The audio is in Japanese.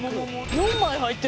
４枚入ってるわ。